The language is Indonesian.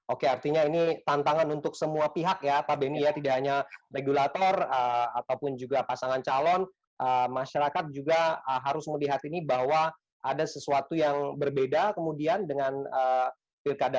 oke artinya ini tantangan untuk semua pihak ya pak beni ya tidak hanya regulator ataupun juga pasangan calon masyarakat juga harus melihat ini bahwa ada sesuatu yang berbeda kemudian dengan pilkada